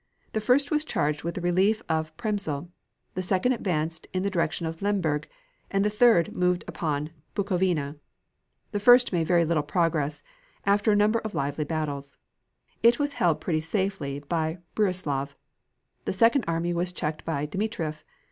The first was charged with the relief of Przemysl. The second advanced in the direction of Lemberg, and the third moved upon Bukovina. The first made very little progress, after a number of lively battles. It was held pretty safely by Brussilov. The second army was checked by Dmitrieff.